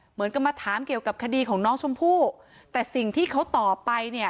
เหมือนกับมาถามเกี่ยวกับคดีของน้องชมพู่แต่สิ่งที่เขาตอบไปเนี่ย